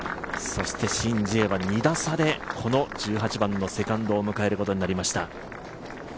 シン・ジエは２打差でこの１８番のセカンドを迎えることになりました。